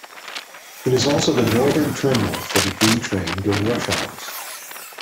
It is also the northern terminal for the B train during rush hours.